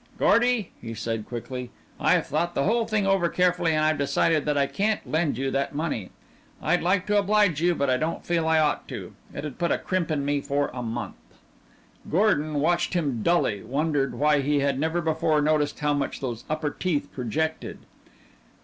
"Gordy," he said quickly, "I've thought the whole thing over carefully and I've decided that I can't lend you that money. I'd like to oblige you, but I don't feel I ought to it'd put a crimp in me for a month." Gordon, watching him dully, wondered why he had never before noticed how much those upper teeth projected.